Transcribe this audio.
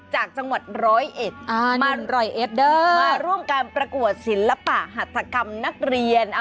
จากจังหวัดร้อยเอสมาร่วมการปรากวดศิลปะหัตถรรรค์กรรมนักเรียน